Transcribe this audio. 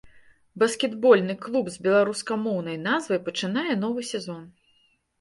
Баскетбольны клуб з беларускамоўнай назвай пачынае новы сезон.